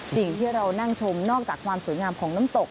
สิ่งที่เรานั่งชมนอกจากความสวยงามของน้ำตก